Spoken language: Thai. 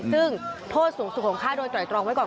ซึ่งโทษสูงสุดของฆ่าโดยไตรตรองไว้ก่อน